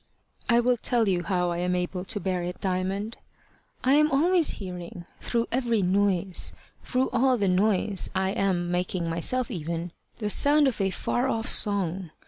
"I will tell you how I am able to bear it, Diamond: I am always hearing, through every noise, through all the noise I am making myself even, the sound of a far off song.